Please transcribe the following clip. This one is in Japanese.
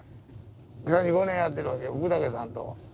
３５年やってるわけや福武さんと。